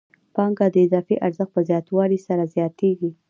پانګه د اضافي ارزښت په زیاتوالي سره زیاتېږي